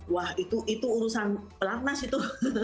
wah itu urusan pelatnas itu